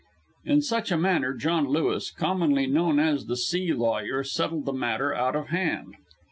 In such manner John Lewis, commonly known as the "sea lawyer," settled the matter out of hand.